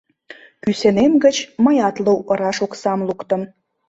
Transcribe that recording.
Кӱсенем гыч мыят лу ыраш оксам луктым: